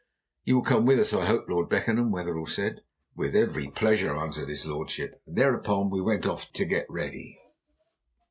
"You will come with us, I hope, Lord Beckenham?" Wetherell said. "With every pleasure," answered his lordship, and thereupon we went off to get ready.